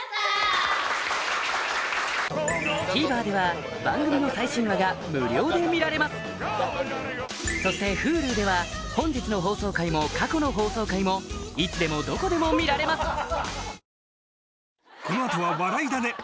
ＴＶｅｒでは番組の最新話が無料で見られますそしてＨｕｌｕでは本日の放送回も過去の放送回もいつでもどこでも見られます